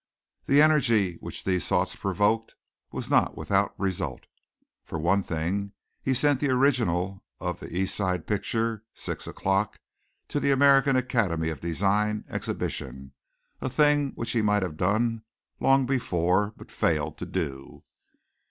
The energy which these thoughts provoked was not without result. For one thing he sent the original of the East Side picture, "Six O'clock" to the American Academy of Design exhibition a thing which he might have done long before but failed to do.